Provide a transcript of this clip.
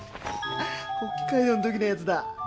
北海道のときのやつだ。